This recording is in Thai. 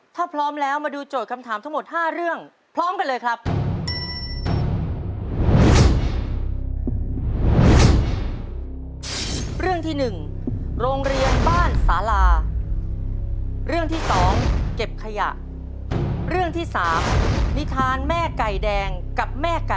ถ้าพร้อมแล้วมาดูโจทย์คำถามทั้งหมด๕เรื่องพร้อมกันเลยครับ